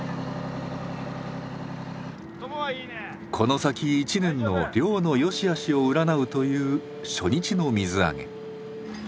この先一年の漁のよしあしを占うという初日の水揚げ。